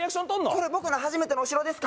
これ僕の初めてのお城ですか？